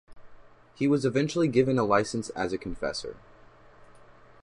He was eventually given a license as a confessor.